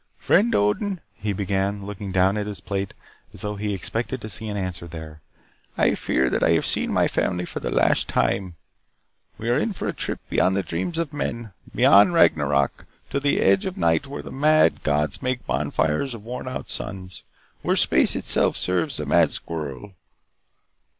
"Friend Odin," he began, looking down at his plate as though he expected to see an answer there. "I fear that I have seen my family for the last time. We are in for a trip beyond the dreams of men. Beyond Ragnarok to the edge of the night where the mad gods make bonfires of worn out suns where space itself serves the mad squirrel."